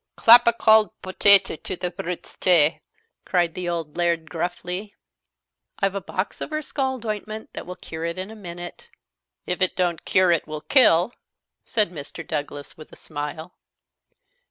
"Clap a cauld potatae to the brute's tae," cried the old Laird gruffly. "I've a box of her scald ointment that will cure it in a minute." "If it don't cure, it will kill," said Mr. Douglas, with a smile.